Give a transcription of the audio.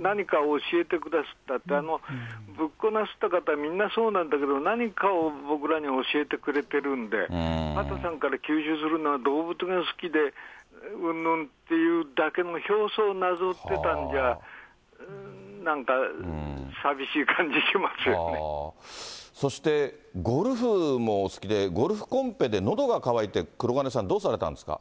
何かを教えてくだすった、をなさった方はみんなそうなんだけど、何かを僕らに教えてくれてるんで、畑さんから吸収するのは、動物が好きでうんぬんっていうだけの表層をなぞってたんじゃ、なそして、ゴルフもお好きで、ゴルフコンペでのどが渇いて、黒鉄さん、どうされたんですか。